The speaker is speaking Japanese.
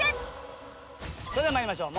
それでは参りましょう。